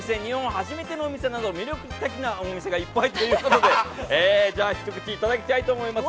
初めてのお店など魅力的なお店がいっぱいということでじゃあ、ひと口いただきたいと思います。